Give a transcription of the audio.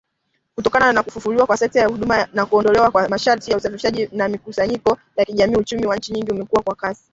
Kutokana na kufufuliwa kwa sekta ya huduma na kuondolewa kwa masharti ya usafiri na mikusanyiko ya kijamii uchumi wa nchi nyingi umekuwa kwa kasi.